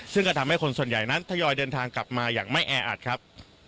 ซึ่งก็ทำให้คนส่วนใหญ่นั้นทยอยเดินทางกลับมาอย่างไม่แออัดครับ